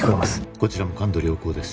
こちらも感度良好です